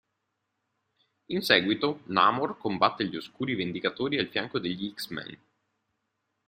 In seguito, Namor combatte gli Oscuri Vendicatori al fianco degli X-Men.